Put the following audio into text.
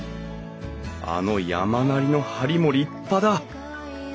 あの山なりの梁も立派だ！